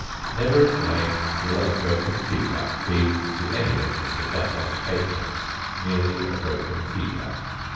Never again will a broken tea cup be to any of Mr. Gasson's patrons merely a broken tea cup.